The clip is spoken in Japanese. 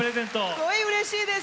すっごいうれしいです。